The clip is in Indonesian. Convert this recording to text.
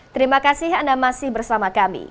terima kasih anda masih bersama kami